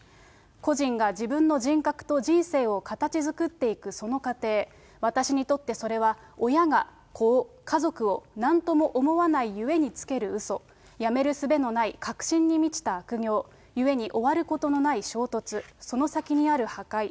個人が自分の人格と人生を形作っていくその課程、私にとってそれは親が子を、家族を、なんとも思わないゆえにつけるうそ、やめるすべのない確信に満ちた悪行、ゆえに終わることのない衝突、その先にある破壊。